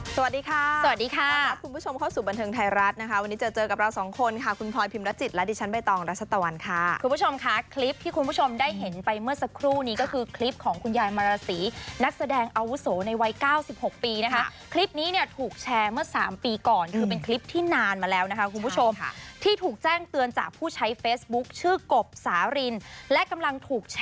สวัสดีค่ะสวัสดีค่ะคุณผู้ชมเข้าสู่บันเทิงไทยรัฐนะคะวันนี้เจอเจอกับเราสองคนค่ะคุณพลอยพิมรจิตและดิฉันใบตองรัชตะวันค่ะคุณผู้ชมค่ะคลิปที่คุณผู้ชมได้เห็นไปเมื่อสักครู่นี้ก็คือคลิปของคุณยายมารสีนักแสดงอาวุโสในวัยเก้าสิบหกปีนะคะคลิปนี้เนี่ยถูกแชร์เมื่อสามปีก่อนคือเป็น